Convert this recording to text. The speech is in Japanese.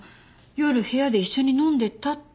夜部屋で一緒に飲んでたって言ってた。